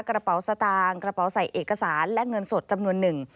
กระเป๋าสตางค์กระเป๋าใส่เอกสารและเงินสดจำนวนหนึ่ง